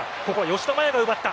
吉田麻也が奪った。